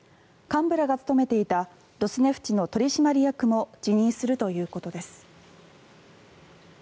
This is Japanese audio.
幹部らが務めていたロスネフチの取締役も辞任するということです。